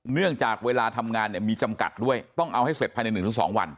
เนื่องจากเวลาทำงานเนี่ยมีจำกัดด้วยต้องเอาให้เสร็จภายใน๑๒วัน